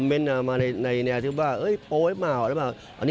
เพราะก่อนจะใส่เราจะเป็นคนสแกนก่อน